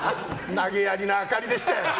投げやりの明かりでしたよ。